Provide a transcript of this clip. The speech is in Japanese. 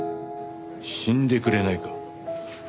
「死んでくれないか」？